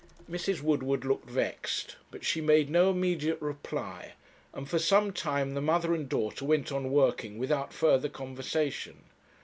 Mrs. Woodward looked vexed; but she made no immediate reply, and for some time the mother and daughter went on working without further conversation.